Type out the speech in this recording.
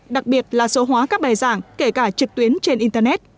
đặc biệt là số hóa các bài giảng kể cả trực tuyến trên internet